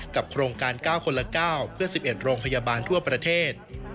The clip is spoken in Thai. โครงการ๙คนละ๙เพื่อ๑๑โรงพยาบาลทั่วประเทศ